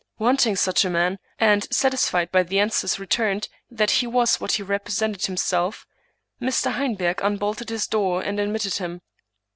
Want ing such a man, and satisfied by the answers returned that he was what he represented himself, Mr. Heinberg unbolted his door and admitted him.